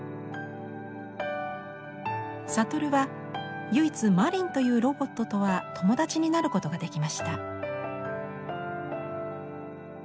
さとるは唯一「まりん」というロボットとは友達になることができました。